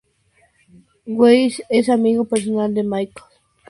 Weiss es amigo personal de Michael Vaughn y compañero de Sydney Bristow.